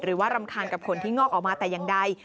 หรือว่ารำคาญกับขนที่งอกออกมาแต่อย่างใด